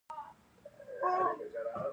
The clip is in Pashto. د دښتو ماران زهرجن دي